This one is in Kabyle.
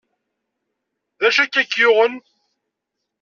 D acu akka i k-yuɣen?